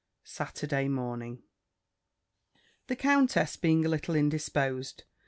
SATURDAY MORNING The countess being a little indisposed.